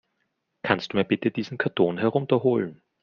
Kannst du mir bitte diesen Karton herunter holen?